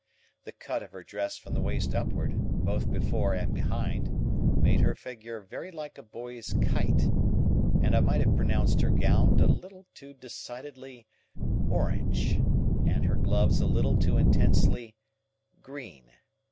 The cut of her dress from the waist upward, both before and behind, made her figure very like a boy's kite; and I might have pronounced her gown a little too decidedly orange, and her gloves a little too intensely green.